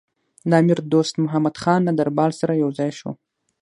د امیر دوست محمدخان له دربار سره یو ځای شو.